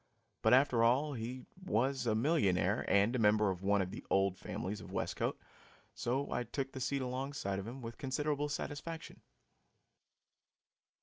But, after all, he was a millionaire and a member of one of the "old families" of Westcote, so I took the seat alongside of him with considerable satisfaction.